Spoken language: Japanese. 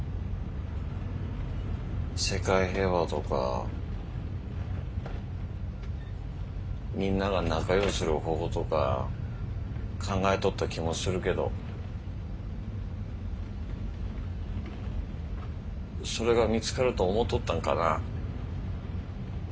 世界平和とかみんなが仲良うする方法とか考えとった気もするけどそれが見つかると思うとったんかな。